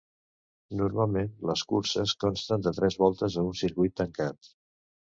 Normalment les curses consten de tres voltes a un circuit tancat.